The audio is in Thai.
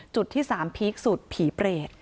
จุดที่๓พีคสุดผีเปรต